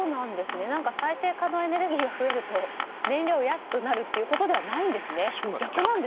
再生可能エネルギーが増えると燃料も安くなるということではないんですね。